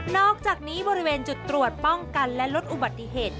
อกจากนี้บริเวณจุดตรวจป้องกันและลดอุบัติเหตุ